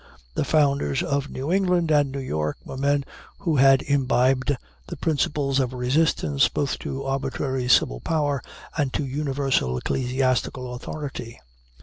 The founders of New England and New York were men who had imbibed the principles of resistance both to arbitrary civil power and to universal ecclesiastical authority.